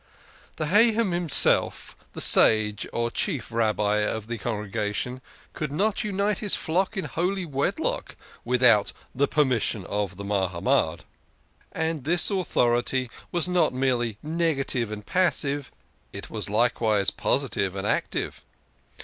The Haham himself, the "THE ELDERS OF THE SYNAGOGUE." Sage or Chief Rabbi of the congregation, could not unite his flock in holy wedlock without the " permission of the Mahamad." And this authority was not merely negative and passive, it was likewise positive and active.